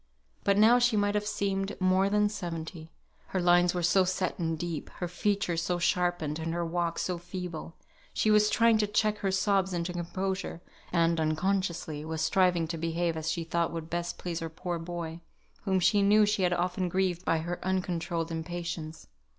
But now she might have seemed more than seventy; her lines were so set and deep, her features so sharpened, and her walk so feeble. She was trying to check her sobs into composure, and (unconsciously) was striving to behave as she thought would best please her poor boy, whom she knew she had often grieved by her uncontrolled impatience.